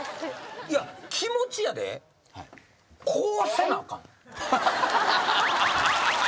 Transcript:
いや気持ちやでこうせなあかん。